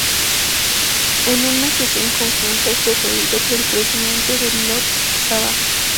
En una sesión conjunta es presidido por el presidente de Lok Sabha.